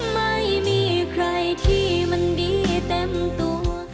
ไม่มีใครที่มันดีเต็มตัว